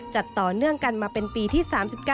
จัดต่อเนื่องกันมาเป็นปีที่๓๙